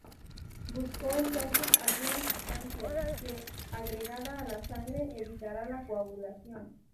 Buscó entonces alguna sustancia que, agregada a la sangre, evitara la coagulación.